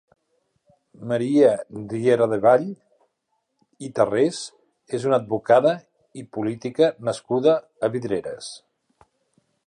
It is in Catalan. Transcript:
Maria Rieradevall i Tarrés és una advocada i política nascuda a Vidreres.